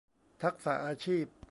ทักษะอาชีพ